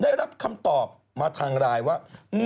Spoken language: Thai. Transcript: ได้รับคำตอบมาทางไลน์ว่า